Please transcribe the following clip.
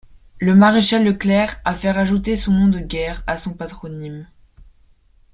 Le Maréchal Leclerc a fait rajouter son nom de guerre à son patronyme.